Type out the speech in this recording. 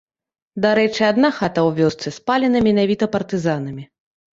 Дарэчы адна хата ў вёсцы спалена менавіта партызанамі.